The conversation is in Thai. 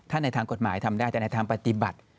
ถ้าในทางกฎหมายทำได้แต่ในทางปฏิบัติ